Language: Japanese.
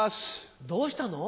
どうしたの？